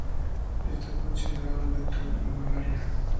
Está considerado un vector de la malaria.